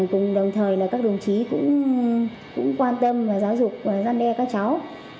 cùng đồng thời các đồng chí cũng quan tâm và giáo dục và gian đeo các cháu